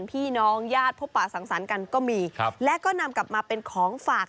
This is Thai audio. พี่น้องญาติพบป่าสังสรรค์กันก็มีครับและก็นำกลับมาเป็นของฝาก